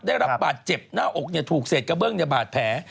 ได้รับบาดเจ็บหน้าอกถูกเศษกระเบื้องในบาดแผล